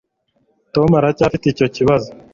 Tom aracyafite icyo kibazo.